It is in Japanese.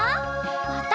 また。